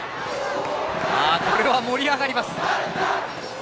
これは盛り上がります。